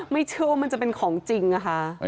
ไม่เชื่อว่ามันจะเป็นของจริงนะคะ